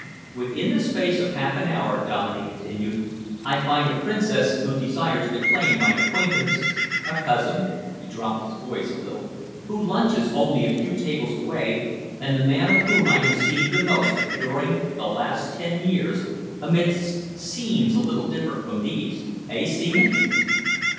"Within the space of half an hour," Dominey continued, "I find a princess who desires to claim my acquaintance; a cousin," he dropped his voice a little, "who lunches only a few tables away, and the man of whom I have seen the most during the last ten years amidst scenes a little different from these, eh, Seaman?"